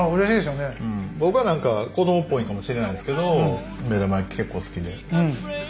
僕は何か子どもっぽいんかもしれないんですけど目玉焼き結構好きで。